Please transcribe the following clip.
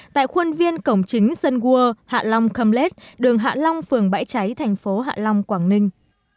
tại khuôn viên cổng chính sơn gua hạ long khâm lết đường hạ long phường bãi cháy thành phố hạ long quảng ninh